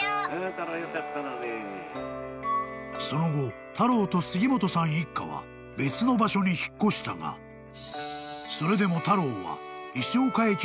［その後タローと杉本さん一家は別の場所に引っ越したがそれでも］